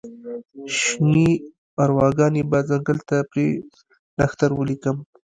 شني ارواګانې به ځنګل ته پر نښتر ولیکم